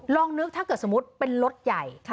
ลองนึกถ้าเกิดสมมุติเป็นรถใหญ่